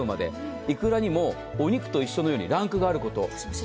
いくらにも、お肉と一緒のようにランクがあることを。